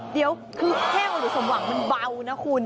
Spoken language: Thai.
เดี๋ยวแรนของหลวงพ่อสมหวังมันเบานะคุณ